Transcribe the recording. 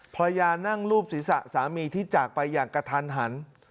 ภรรยานั่งรูปศีรษะสามีที่จากไปอย่างกระทันหัน